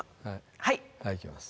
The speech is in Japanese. はいはいいきます